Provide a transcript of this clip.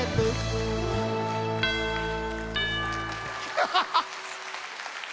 アハハハ！